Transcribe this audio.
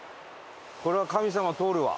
これは神様通るわ。